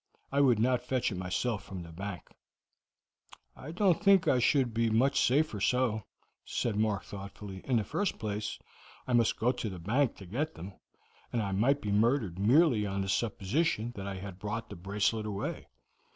I would not fetch it myself from the bank." "I don't think I should be much safer so," Mark said thoughtfully. "In the first place, I must go to the bank to get them, and I might be murdered merely on the supposition that I had brought the bracelet away.